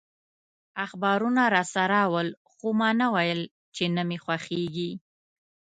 اخبارونه راسره ول، خو ما نه ویل چي نه مي خوښیږي.